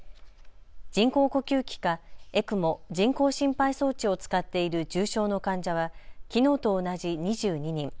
人工呼吸器かＥＣＭＯ・人工心肺装置を使っている重症の患者はきのうと同じ２２人。